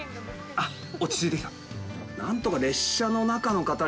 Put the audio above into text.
あっ、落ち着いてきた。